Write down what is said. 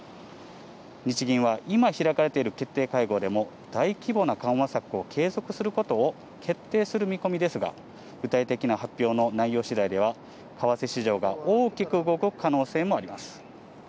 日銀は今、開かれてる決定会合でも大規模な緩和策を継続することを決定する見込みですが、具体的な発表の内容次第では為替市場が大きく動く可能性もあります。